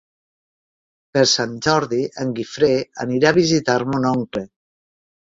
Per Sant Jordi en Guifré anirà a visitar mon oncle.